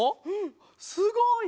すごい！